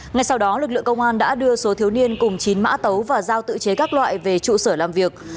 ngay sau đó lực lượng công an đã đưa số thiếu niên cùng chín mã tấu và giao tự chế các loại về trụ sở làm việc